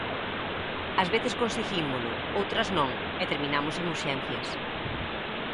Ás veces conseguímolo, outras non, e terminamos en urxencias.